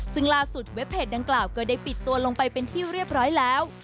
ซึ่งล่าสุดเว็บเพจดังกล่าวก็ได้ปิดตัวลงไปเป็นที่เรียบร้อยแล้ว